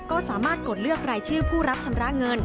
ก็สามารถกดเลือกรายชื่อผู้รับชำระเงิน